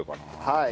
はい。